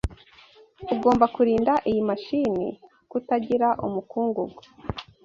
Ugomba kurinda iyi mashini kutagira umukungugu.